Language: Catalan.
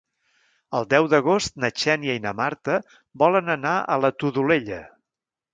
El deu d'agost na Xènia i na Marta volen anar a la Todolella.